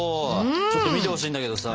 ちょっと見てほしいんだけどさ。